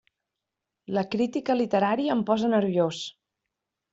La crítica literària em posa nerviós!